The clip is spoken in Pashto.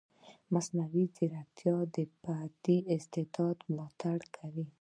مصنوعي ځیرکتیا د فردي استعداد ملاتړ کوي.